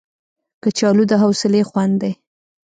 کچالو د حوصلې خوند دی